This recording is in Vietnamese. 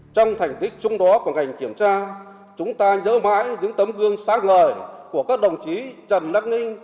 trong thành tích chung đó của ngành kiểm tra chúng ta nhớ mãi những tấm gương sáng ngời của các đồng chí trần lắc ninh